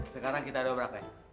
sekarang kita dobrak eh